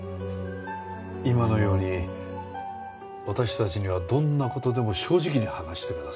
今のように私たちにはどんな事でも正直に話してください。